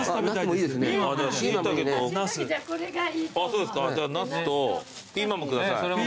そうですかじゃあナスとピーマンも下さい。